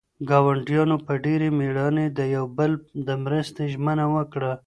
ګاونډیانو په ډېرې مېړانې د یو بل د مرستې ژمنه وکړه.